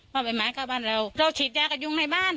พอใบไม้เข้าบ้านเราเราฉีดยากันยุงในบ้าน